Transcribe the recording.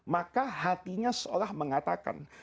maka hatinya seolah mengatakan